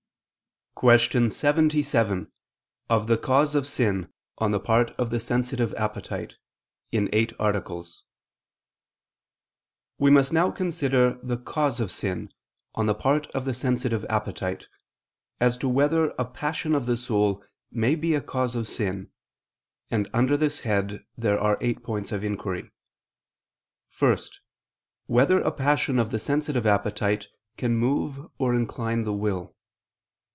________________________ QUESTION 77 OF THE CAUSE OF SIN, ON THE PART OF THE SENSITIVE APPETITE (In Eight Articles) We must now consider the cause of sin, on the part of the sensitive appetite, as to whether a passion of the soul may be a cause of sin: and under this head there are eight points of inquiry: (1) Whether a passion of the sensitive appetite can move or incline the will?